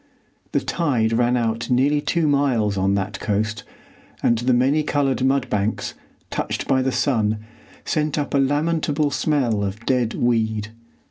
The tide ran out nearly two miles on that coast, and the many coloured mud banks, touched by the sun, sent up a lamentable smell of dead weed.